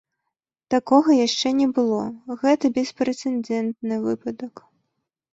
Такога яшчэ не было, гэта беспрэцэдэнтны выпадак!